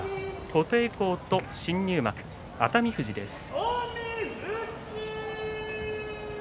琴恵光と新入幕の熱海富士です。